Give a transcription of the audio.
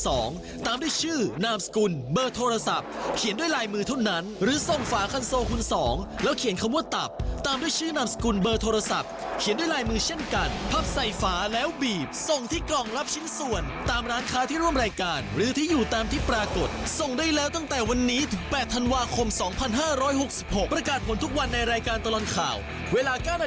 สองตามด้วยชื่อนามสกุลเบอร์โทรศัพท์เขียนด้วยรายมือเท่านั้นหรือส่งฝาคันโซคุณสองแล้วเขียนคำว่าตับตามด้วยชื่อนามสกุลเบอร์โทรศัพท์เขียนด้วยรายมือเช่นกันพับใส่ฝาแล้วบีบส่งที่กล่องรับชิ้นส่วนตามร้านค้าที่ร่วมรายการหรือที่อยู่ตามที่ปรากฏส่งได้แล้วตั้งแต่วันนี้ถึงแ